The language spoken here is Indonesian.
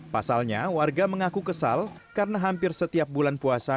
pasalnya warga mengaku kesal karena hampir setiap bulan puasa